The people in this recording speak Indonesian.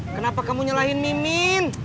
kenapa kamu nyalahin mimin